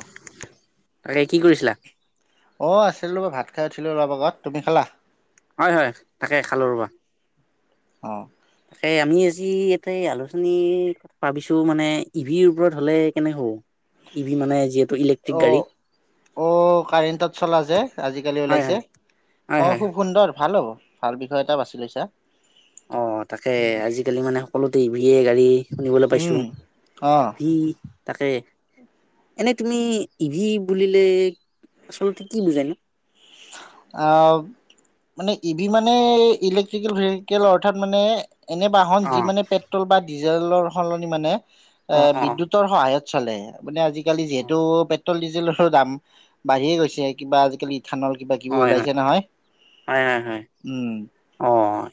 অহ তাকে কি কৰিছিলা? অ আছিলো অ ভাত খাই উঠিলো অলপ আগত তুমি খালা? হয় হয় থাকে খালৰ বন, অ তাকে আমি আজি এতে আলোচনীৰ ভাবিছো মানে ই ভিৰ ওপৰত হলে কেনেকে হ'ব? ই ভি মানে যিহেতু ইলেক্ট্ৰিক অ গাড়ী। অ কাৰেণ্টত চলা যে আজিকালি হয় ওলাইছে হয় হয় অ হয়। খুব সুন্দৰ ভাল হ'ব। ভাল বিষয় এটা বাছি লৈছা। অ তাকে আজিকালি মানে সকলোতে ই ভিয়ে গাড়ী শুনিবলৈ পাইছো উম অ ইভি তাকে, এনে তুমি ইভি বুলিলে আচলতে কি বুজায় নো? অ মানে ইভি মানে ইলেক্ট্ৰিকেল ভেহিকেল অৰ্থাৎ মানে, এনে বাহন যি অ' মানে পেট্ৰল বা ডিজেলৰ সলনি মানে, এ অ' অ' বিদ্যুতৰ সহায়ত চলে মানে আজিকালি অ' যিহেতু- পেট্ৰল ডিজেলৰো দাম বাঢ়িয়ে গৈছে কিবা আজিকালি ইথানল কিবা কিবি হয় ওলাইছে হয়, নহয় হয় হয় হয়, উম অ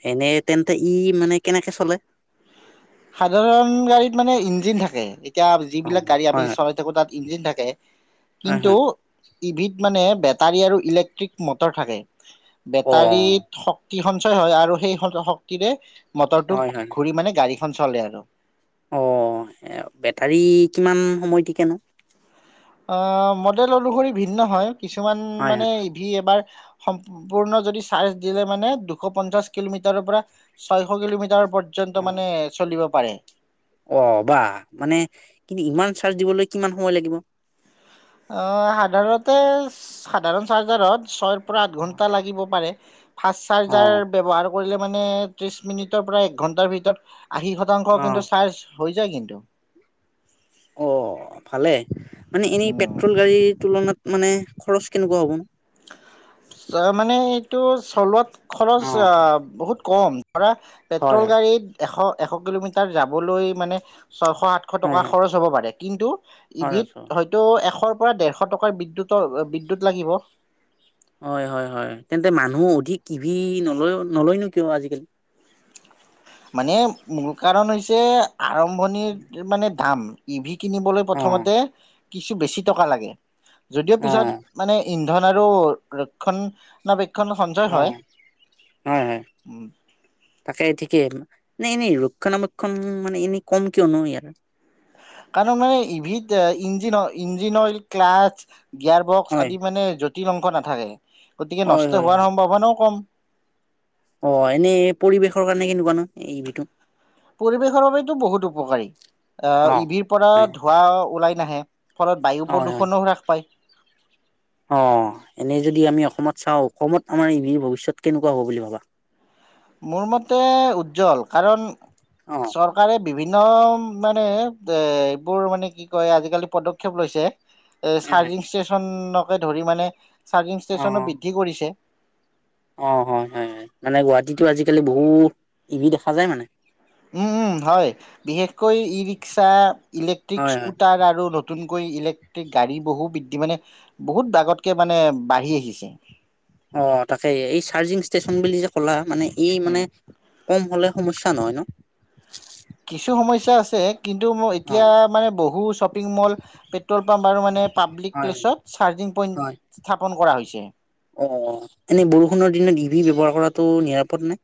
এনেই তেন্তে ই মানে কেনেকে চলে? সাধাৰণ গাড়ীত মানে ইঞ্জিন থাকে এতিয়া অ' যিবিলাক গাড়ী আমি হয় হয় চলাই থাকো তাত ইঞ্জিন থাকে হয় কিন্তু হয় ইভিত মানে বেটাৰী আৰু ইলেক্ট্ৰিক মটৰ থাকে। অ' বেটাৰীত শক্তি সঞ্চয় হয় আৰু সেই শক্তিৰে- মটৰটোক হয় হয়। ঘূৰি মানে গাড়ী খন চলে আৰু অ বেটাৰী কিমান সময় থিকে ন মডেল অনুসৰি ভিন্ন হয় [unintelligible] কিছুমান হয় মানে হয় ইভি এবাৰ সম্পূৰ্ণ যদি চাৰ্জ দিলে মানে দুশ পঞ্চাশ কিলোমিটাৰৰ পৰা ছয়শ কিলোমিটাৰৰ প [unintelligible] পযন্ত অ মানে চলিব [unintelligible] পাৰে অ বা মানে কিন্তু ইমান চাৰ্জ দিবলৈ কিমান সময় লাগিব সাধাৰণতে সাধাৰণ চাৰ্জাৰত ছয় পৰা আঠ অ ঘণ্টা লাগিব পাৰে ফাষ্ট অ চাৰ্জাৰ ব্যৱহাৰ কৰিলে মানে ত্ৰিশ মিনিটৰ পৰা এক ঘণ্টাৰ ভিতৰত আশী শতাংশ কিন্তু চাৰ্জ হৈ যায় কিন্তু অ ভালে মানে এনেই উম। পেট্ৰল গাড়ীৰ তুলনাত মানে খৰচ কেনেকুৱা হ'ব ন অ মানে এইটো চলোৱাত অ খৰচ বহুত কম কৰা হয় পেট্ৰল হয় গাড়ীত এশ এশ কিলোমিটাৰ যাবলৈ মানে ছয়শ আঠশ হয় টকা হয় খৰচ হ'ব পাৰে কিন্তু খৰচ হয়। ইবিত হয়তো এশৰ পৰা ডেৰশ টকাৰ বিদ্যুতৰ বিদ্যুত লাগিব হয় হয় হয় তেন্তে মানুহ অধিক টিভি নলয় নলয় নেকি কিয় আজিকালি মানে মূল কাৰণ হৈছে আৰম্ভণিৰ মানে ধাম ই ভি কিনিবলৈ অ প্ৰথমতে কিছু বেছি টকা লাগে যদিও অ পিছত মানে ই ধন আৰু ৰক্ষনাবেষণ অ হয় হয় তাকে ঠিকেই নাই এনেই ৰক্ষণাবেক্ষণ মানে এনেই কম কিয় নো আৰু কাৰণ মানে ইভিত engine engine oil clutch gear box হয় আদি মানে যত কি মাংস নাথাকে। গতিকে হয় নষ্ট হয় হয়। হোৱাৰ সম্ভাৱনাও কম, অ এনেই পৰিৱেশৰ কাৰণে কেনেকুৱানো এই বিধু পৰিৱেশৰ বাবেতো বহুত উপকাৰী অ আহ ইভিৰ পৰা ধোঁৱা ওলাই, নাহে ফলত বায়ু অ হয় প্ৰদূষণো হ্ৰাস পায় অ এনেই যদি আমি অসমত চাও, অসমত আমাৰ ই ভৱিষ্যত কেনেকোৱা হ'ব বুলি ভাবা, মোৰ মতে উজ্জ্বল কাৰণ অ চৰকাৰে বিভিন্ন মানে এইবোৰ মানে কি কয় আজিকালি পদক্ষেপ লৈছে। এ হয় চাৰ্জিং ষ্টেচন, ধৰি মানে চাৰ্জিং অ ষ্টেচনো বৃদ্ধি কৰিছে। অ হয় হয় হয় মানে গুৱাহাটীতো আজিকালি বহুত ইভি দেখা যায় মানে উম উম হয় বিশেষকৈ ই ৰিক্সা ইলেক্ট্ৰিক হয় হয় স্কুটাৰ আৰু নতুন, ইলেক্ট্ৰিক গাড়ী বহু বৃদ্ধি মানে বহুত আগতকে মানে বাঢ়ি আহিছে। অ তাকে এই চাৰ্জিং ষ্টেচন বুলি যে ক'লা। মানে ই উম মানে, কম হ'লে সমস্যা নহয় ন, কিছু সময় ইচ্ছা আছে কিন্তু অ এতিয়া মানে বহু শ্বপিং মল পেট্ৰল পাম্প আৰু মানে পাব্লিক হয় প্লেছত চাৰ্জিং হয় পইণ্ট স্থাপন কৰা হৈছে। অ তটো নিৰাপদ নাই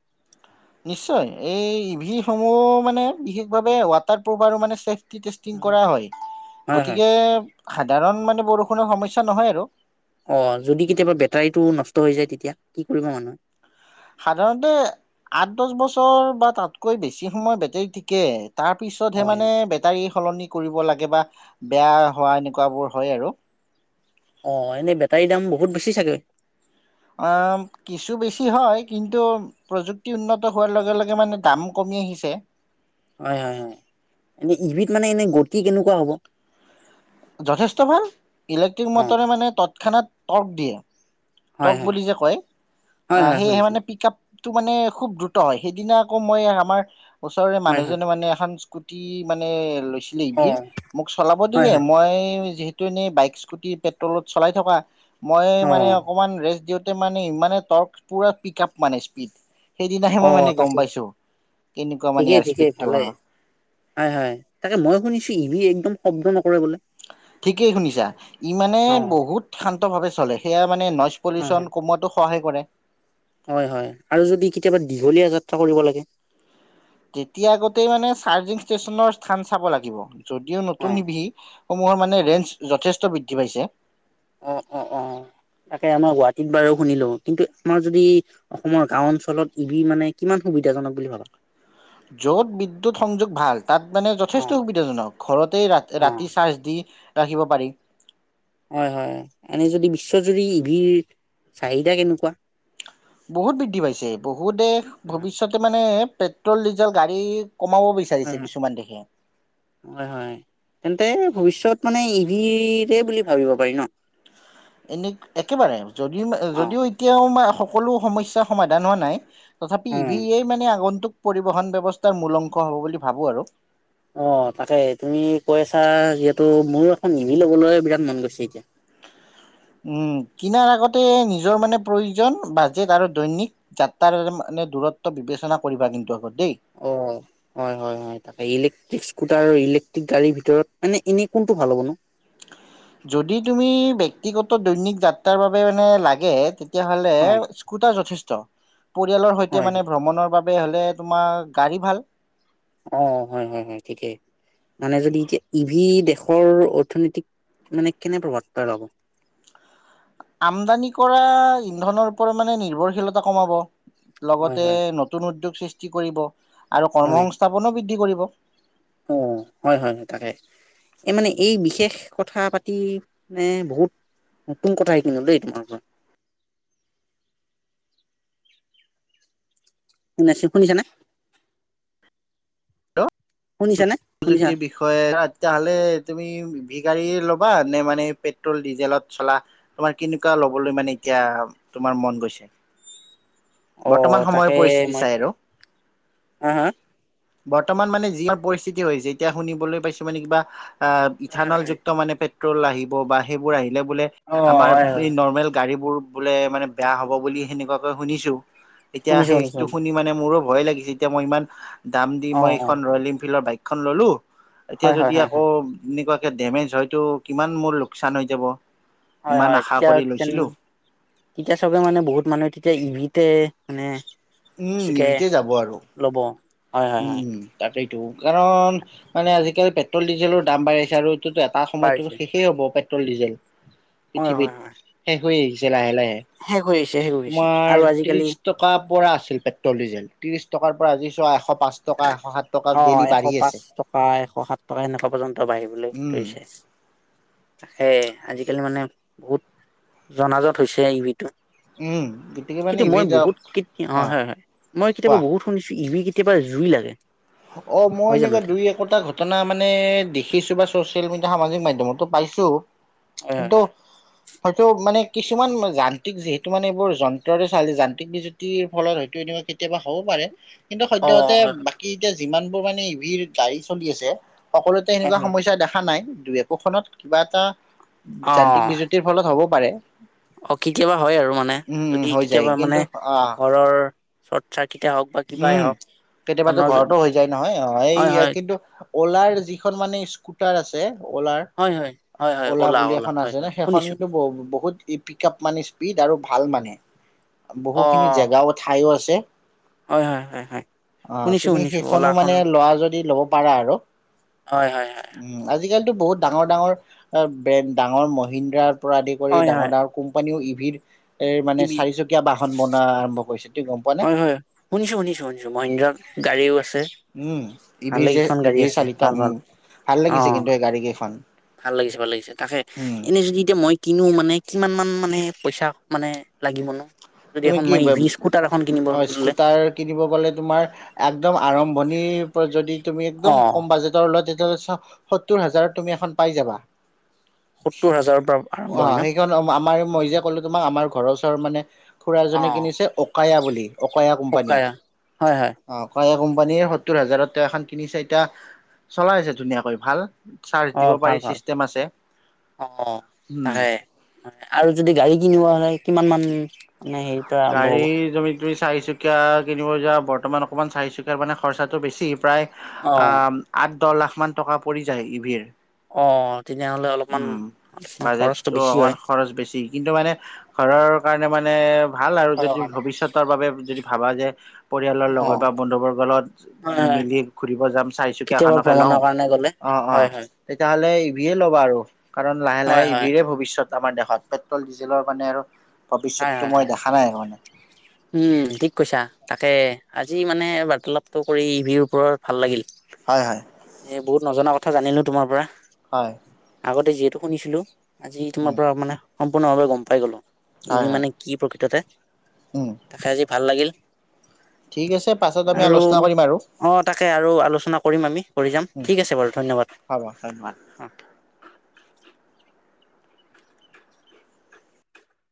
নিশ্চয় এই ই ভিসমূহ মানে বিশেষভাৱে ৱাটাৰপ্ৰুফ আৰু মানে চেফ টিতেচটিং কৰা হয় হয় হয় গতিকে সাধাৰণ মানে বৰষুণৰ সমস্যা নহয় আৰু অ যদি কেতিয়াবা বেটাৰীটো নষ্ট হৈ যায় তেতিয়া কি কৰিব মানুহে, সাধাৰণতে আঠ দহ বছৰ বা তাতকৈ বেছি সময় বেটেৰী ঠিকে তাৰ পিছতহে হয় হয় মানে বেটাৰী সলনি কৰিব লাগে বা বেয়া হোৱা এনেকুৱাবোৰ হয় আৰু অ এনেই বেটাৰী দাম বহুত বেছি চাগৈ কিছু বেছি হয় কিন্তু প্ৰযুক্তি উন্নত হোৱাৰ লগে লগে মানে দাম কমি আহিছে। হয় হয় হয় এনে ইবিধ মানে এনে গতি কেনেকুৱা হ'ব? যথেষ্ট ভাল ইলেক্ট্ৰিক অ মটৰে মানে তৎক্ষণাত। ক দিয়ে হয় টক হয় বুলি যে কয় হয় আহ হয় সেয়েহে শুনিছো মানে পিক আপ টো মানে খুব দ্ৰুত হয় সেইদিনা আকৌ মই আমাৰ। ওচৰৰে হয় হয় মানুহজনে মানে এখন। কুটি মানে। অ মোক চলাব হয় দিলে। হয় যিহেতু এনেই বাইক স্কুটি পেট্ৰলত চলাই থকা মই অ মানে অকমান ৰেষ্ট দিওঁ। মানে ইমানে টৰ্ক পুৰা পিক আপ মানে স্পীড সেইদিনাহে মই মানে অ' গম তাকে পাইছো কেনেকুৱা মানে ঠিকেই ইয়াৰ ঠিকেই স্পীডটো ভালে অ হয় হয় তাকে মই শুনিছো ইবি একদম শব্দ নকৰে বোলে ঠিকেই শুনিছা ই মানে অ বহুত শান্ত ভাৱে চলে। সেয়া মানে নজ হয় পলিচন হয় কমোৱা সহায় কৰে। হয় হয় আৰু যদি কেতিয়াবা দীঘলীয়া যাত্ৰা কৰিব লাগে। যেতিয়া আগতেই মানে চাৰ্জিং ষ্টেচনত থম চাব লাগিব যদিও অ নতুন ইভি হ মোৰ মানে ৰেঞ্চ যথেষ্ট বৃদ্ধি পাইছে। অ' অ' অ' তাকে আমাৰ গুৱাহাটীত বাৰু শুনিলো কিন্তু আমাৰ যদি অসমৰ গাও অঞ্চলত ইবি মানে কিমান সুবিধাজনক বুলি ভাবা। য'ত বিদ্যুৎ সংযোগ ভাল। তাত মানে অ যথেষ্ট সুবিধাজনক ঘৰতেই ৰা অ ৰাতি চাৰ্জ দি ৰাখিব পাৰি। হয় হয় এনে যদি বিশ্বজুৰি ইভিৰ চাহিদা কেনেকুৱা? বহুত বৃদ্ধি পাইছে বহু দেশ হয় ভৱিষ্যতে মানে পেট্ৰল ডিজেল গাড়ী। কমাব হয় বিচাৰিছে কিছুমান দেশে হয় হয় তেন্তে ভৱিষ্যত মানে ইভিৰে বুলি ভাবিব পাৰি ন? এনে একেবাৰে যদি অ যদিও এতিয়াও। সকলো সমস্যা সমাধান হোৱা নাই। তথাপি অ ইভিয়েই মানে আগন্তুক। পৰিবহন ব্যৱস্থাৰ মূল অংশ হ'ব বুলি ভাবো আৰু অ' তাকে তুমি কৈ আছা যিহেতু মোৰ এখন ইভি লবলৈ বিৰাট মন গৈছে এতিয়া। উম কিনাৰ আগতে নিজৰ মানে প্ৰয়োজন বাজেট আৰু দৈনিক যাত্ৰাৰ মানে দূৰত্ব বিবেচনা কৰিবা কিন্তু আগতে। অ' হয় হয় হয় তাকে ইলেক্ট্ৰিক স্কুটাৰ। ট্ৰিক গাড়ীৰ ভিতৰত মানে এনে কোনটো ভাল হ'ব নো যদি তুমি ব্যয়ক্তিগত দৈনিক যাত্ৰাৰ বাবে মানে লাগে। তেতিয়াহ'লে হয় স্কুটাৰ যথেষ্ট। পৰিয়ালৰ সৈতে হয় মানে হয় ভ্ৰমণৰ বাবে। ত হ'লে তোমাৰ গাড়ী ভাল। অ হয় হয় হয় ঠিকেই মানে যদি এতিয়া ইভি দেশৰ অৰ্থনীতিক মানে কেনে প্ৰভাৱ পেলাব। আমদানি কৰা ইন্ধনৰ ওপৰত মানে নিৰ্ভৰশীলতা কমাব। হয় লগতে হয় নতুন উদ্যোগ। সৃষ্টি কৰিব। আৰু কৰ্মসংস্থাপনো বৃদ্ধি কৰিব। উব। অঁ হয় হয় হয় তাকে এই মানে এই বিশেষ কথা পাতি মানে বহুত নতুন কথা শিকিলোঁ দেই তোমাৰ পৰা। নে চিখোনি জানা। শুনিছা প্ৰযুক্তিৰ বিষয়ে তেতিয়াহলে তুমি। ভ গাড়ী ল'বা নে মানে পেট্ৰল ডিজেলত চলা তোমাৰ কেনেকুৱা লবলৈ মানে এতিয়া তোমাৰ মন গৈছে। অ বৰ্তমান সময়ৰ তাকে পৰিস্থিতি মই চাই আৰু হা হা। বৰ্তমান মানে যিমান পৰিস্থিতি। হৈছে এতিয়া শুনিবলৈ পাইছো মানে কিবা। অ হয় হয় ইথানল হয়। যুক্ত মানে। তোৰ লাহিব বা সেইবোৰ আহিব। বোলে বোলে অ আমাৰ হয় হয় এই নৰ্মেল গাড়ীবোৰ। বোলে মানে বেয়া হ'ব বুলি সেনেকুৱাকৈ শুনিছো। এতিয়া শুনিছো শুনিছো সেইটো শুনিছো। শুনি মানে মোৰো। ভয় লাগিছে এতিয়া মই ইমান। দাম দি অ মই অ এখন ৰয়েল এনফিল্ডৰ বাইক। খন ল'লো। এতিয়া হয় হয় যদি হয় আকৌ হয় এনেকুৱা, ডেমেজ হয়তটো কিমান মোৰ লোকচান হৈ যাব। হয় ইমান হয় আশা তেতিয়া কৰি কি লৈছিলো তেতিয়া চবে মানে বহুত মানুহে তেতিয়া ইভিত। তে মানে। [unintelligible] উম বেছিকে ইভিতে যাব আৰু। ল'ব হয় হয় উম হয় উম তাকেই। টো। কাৰণ মানে আজিকালি। পেট্ৰল ডিজেলৰ দাম বাঢ়িচে আৰু। এটা সময়তো বাঢ়িছে শেষই হব সপাই। Petrol diesel. হয় পৃথিৱীত হয় হয় শেষ হৈ আহিছে। ছে লাহে লাহে। শেষ হৈ আহিছে শেষ হৈ আহিছে তোমাৰ আৰু আজিকালি ত্ৰিশ টকা পৰা আছিলে। পেট্ৰল ডিজেল ত্ৰিশ টকাৰ পৰা আজি চোৱা। পাঁচ টকা এশ সাত টকা অ ডেইলি এশ বাঢ়ি পাঁচ আছে টকা এশ সাত টকা এনেকুৱা পৰ্যন্ত বাঢ়িবলৈ উম ধৰিছে হেই আজি। আজিকালি মানে বহুত জনাজত হৈছে এইবিধ। উম গতিকে মানে কিন্তু মই ইভিত যাওক বহুত কেতিয়া অ হয় হয় মই কেতিয়াবা কোৱা বহুত শুনিছো ই। জুই লাগে। অ মই জানো এনেকুৱা এইটো দুই একোটা ঘটনা মানে দেখিছো বা। চচিয়েল মিডিয়া সামাজিক মাধ্যমতো পাইছো। হয় হয় কিন্ত। হয় হয়তো মানে কিছুমান যান্ত্ৰিক যিহেতু মানে এইবোৰ যন্ত্ৰৰে চালী যান্ত্ৰিক বিজুতিৰ ফলত হয়তো এনেকোৱা কেতিয়াবা হ'ব পাৰে। কিন্তু অ সদ্যহতে হয় বাকী। যিমানবোৰ মানে ইভিৰ গাড়ী চলি আছে। সকলোতে হয় সেনেকুৱা হয় সমস্যা দেখা নাই। দুই একোখনত কিবা এটা। অ যান্ত্ৰিক বিজুতিৰ ফলত হ'ব। পাৰে। অ কেতিয়াবা হয় আৰু মানে উম যদি হৈ যায় কেতিয়াবা কিন্তু মানে আহ ঘৰৰ। চত চা ইত। উম কেতিয়াবা ঘৰতো হৈ যায় নহয় অ এই হয় হয় কিন্তু। অ'লাৰ যিখন মানে স্কুটাৰ আছে। অলাৰ হয় হয় হয় হয় অলাৰ অ'লা বুলি অ'লা এখন হয় আছে নে হয় সেইখন শুনিছো কিন্তু বহুত। ই পিকা আপ মানে স্পীড আৰু ভাল মানে। অ বহুখিনি জেগাও ঠাইও আছে। হয় হয় হয় হয় অ শুনিছো তুমি শুনিছো সেইখনো অ'লাখন মানে লোৱা যদি লব পাৰা আৰু হয় হয় হয় উ আজি কালিতো বহুত। ডাঙৰ ডাঙৰ ব্ৰেন ডাঙৰ মহিন্দ্ৰা। আদি কৰি হয় ডাঙৰ হয় ডাঙৰ কোম্পানীও ই। বিৰ। এ মানে ইবি চাৰিচকীয়া বাহন বনোৱা আৰম্ভ কৰিছিল।। তুমি গম পোৱা নে? শুনিছোঁ, শুনিছোঁ, শুনিছোঁ মহিন্দ্ৰ গাড়িও আছে। উম ই ভিৰ ভালে যে, কেইখন ই গাড়ী ভিৰ আছে চালিত, ভাল ভাল উম ভাল অ লাগিছে কিন্তু এই গাড়ী কেইখন। ভাল লাগিছে, ভাল লাগিছে, তাকে উম এনেই যদি এতিয়া মই কিনো, মানে কিমান মান? মানে, পইচা মানে, লাগিব ন? তুমি কি, অ ললে স্কুটাৰ কিনিব গ'লে তোমাৰ একদম আৰম্ভণিৰ পৰা যদি তুমি অ একদম কম বাজেটৰ সত্তৰ হাজাৰত তুমি এখন পাই যাবা। সত্তৰ হাজাৰৰ পৰা আৰম্ভ অ হয় ন? সেইখন আমাৰ মই যে ক'লো তোমাৰ, আমাৰ ঘৰৰ ওচৰত মানে? খুৰা অ এজনে কিনিছে, অকায়া বুলি, অকায়া পকা কোম্পানীৰ। হয় হয় অকায়া কোম্প পানীয়ে সত্তৰ হাজাৰৰ এখন কিনিছে এতিয়া, চলাই আছে ধুনীয়াকৈ ভাল। চাৰ্জ অ দিব পাৰি ভাল‌ ভাল চিষ্টেম আছে অ উম তাকে, আৰু যদি গাড়ী কিনিব হ'লে। কিমান মান? মানে হেৰি পৰা আৰম্ভ হ'ব? দুই চাৰিচুকীয়া কিনিব যোৱা, বৰ্তমান অকণমান চাৰিচুকীয়াৰ মানে খৰচাটো বেছি প্ৰায় অ আঁ, আঁ দহ লাখমান টকা পৰি যায় ইভিৰ। অঁ। উম বাজেটটো বেছি অকমান হয় খৰচ বেছি, কিন্তু মানে ঘৰৰ কাৰণে মানে ভাল আৰু অ যদি হয় ভৱিষ্যতৰ বাবে যদি- ভাবা যে পৰিয়ালৰ লগত বা বন্ধু বৰ্গৰ লগত হয় মিলি ঘুৰিব যাম চাৰি চুকীয়া কেতিয়াবা এখনকে লওঁ ভ্ৰমণৰ কাৰণে গ'লে অ অ হয় হয় তেতিয়াহ'লে- বিয়ে লগ কোৱা আৰু কাৰণ লাহে হয় লাহে হয় ইবিৰে ভৱিষ্যত। আমাৰ দেশত পেট্ৰল ডিজেলৰ মানে আৰু। হয় ভৱিষ্যতটো হয় মই হয় দেখা নাই আৰু মানে উম ঠিক কৈছা। তাকে আজি মানে বাৰ্তালাপটো কৰি ইভিৰ ওৰত ভাল লাগিল। হয়, হয়, এ বহুত নজনা কথা জানিলোঁ তোমাৰ পৰা। হয়। আগতে যিহেতু শুনিছিলোঁ। আজি তোমাৰ উম, পৰা মানে। সম্পূৰ্ণভাৱে গম পাই গলোঁ। ই হয়, ভি হয়, মানে কি প্ৰকৃততে। [unintelligible] উম, তাকে আজি ভাল লাগিল। ঠিক আছে পাছত আমি আৰু আলোচনা কৰিম আৰু অ তাকে আৰু আলোচনা কৰিম আমি। কৰি যাম উম, ঠিক আছে বাৰু ধন্যবাদ। হ'ব ধন্যবাদ। অঁ